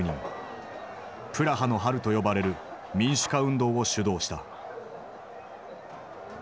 「プラハの春」と呼ばれる民主化運動を主導した。